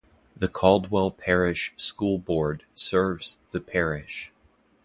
The Caldwell Parish School Board serves the parish.